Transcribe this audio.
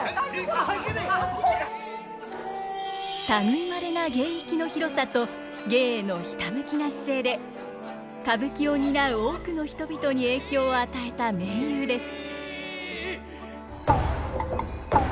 類いまれな芸域の広さと芸へのひたむきな姿勢で歌舞伎を担う多くの人々に影響を与えた名優です。